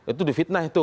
itu di fitnah itu